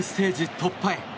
突破へ。